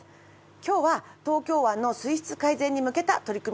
今日は東京湾の水質改善に向けた取り組みです。